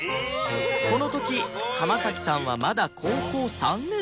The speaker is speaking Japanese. この時濱さんはまだ高校３年生